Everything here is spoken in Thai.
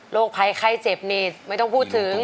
ภัยไข้เจ็บนี่ไม่ต้องพูดถึง